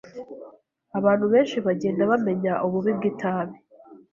Abantu benshi bagenda bamenya ububi bwitabi.